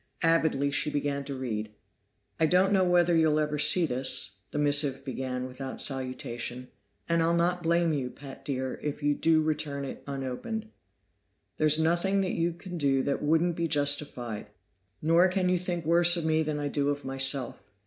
Avidly she began to read. "I don't know whether you'll ever see this" the missive began without salutation "and I'll not blame you, Pat dear, if you do return it unopened. There's nothing you can do that wouldn't be justified, nor can you think worse of me than I do of myself.